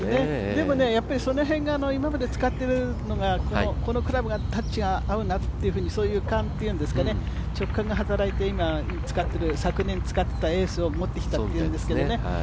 でもその辺が今まで使っているのがこのクラブがタッチが合うなっていう勘っていうんですか、直感が働いて今使っている、昨年使ってたエースを持ってきたっていう感じなんですけどね。